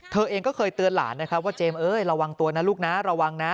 เธอเองก็เคยเตือนหลานนะครับว่าเจมส์เอ้ยระวังตัวนะลูกนะระวังนะ